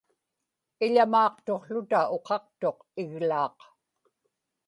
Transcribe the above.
iḷamaaqtuqłuta uqaqtuq iglaaq